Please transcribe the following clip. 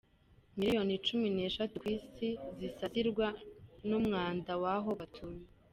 Miliyoni cumi neshatu ku isi zisasirwa n’umwanda w’aho batuye